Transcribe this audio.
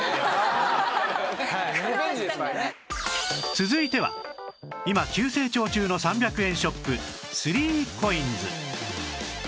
続いては今急成長中の３００円ショップ ３ＣＯＩＮＳ